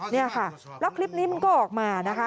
นี่ค่ะแล้วคลิปนี้มันก็ออกมานะคะ